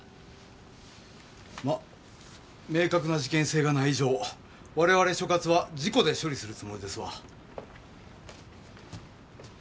まあ明確な事件性がない以上我々所轄は事故で処理するつもりですわ。